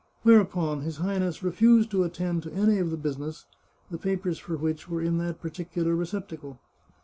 Whereupon his Highness refused to attend to any of the business, the papers for which were in that particular receptacle.